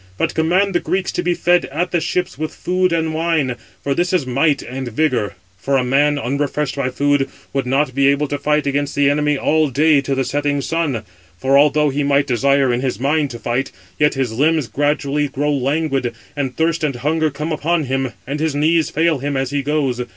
But command the Greeks to be fed at the ships with food and wine, for this is might and vigour. For a man, unrefreshed by food, would not be able to fight against [the enemy] all day to the setting sun; for although he might desire in his mind to fight, yet his limbs gradually grow languid, and thirst and hunger come upon him, and his knees fail him as he goes.